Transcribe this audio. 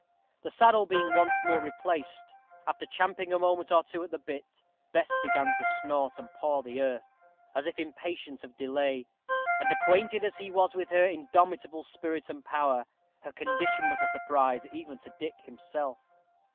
The saddle being once more replaced, after champing a moment or two at the bit, Bess began to snort and paw the earth, as if impatient of delay; and, acquainted as he was with her indomitable spirit and power, her condition was a surprise even to Dick himself.